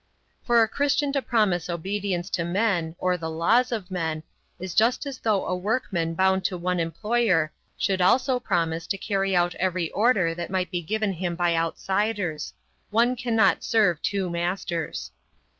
For a Christian to promise obedience to men, or the laws of men, is just as though a workman bound to one employer should also promise to carry out every order that might be given him by outsiders. One cannot serve two masters.